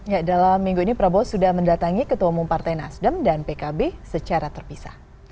ya dalam minggu ini prabowo sudah mendatangi ketua umum partai nasdem dan pkb secara terpisah